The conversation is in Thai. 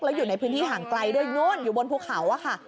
แล้วอยู่ในพื้นที่ห่างไกลด้วยโน้นอยู่บนภูเขาอะค่ะ